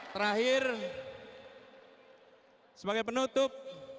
terakhir sebagai penutup